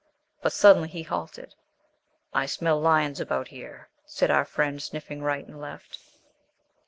But suddenly he halted. "I smell lions about here!" said our friend, sniffing right and left.